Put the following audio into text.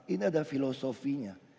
ini adalah filosofinya